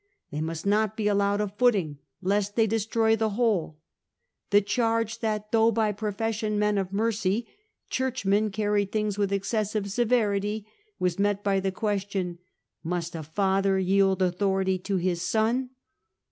They must not be allowed a footing, lest they destroy the whole. The charge that, though by profession men of mercy, Churchmen carried things with excessive severity, was met by the question, ' Must a father yield authority to his son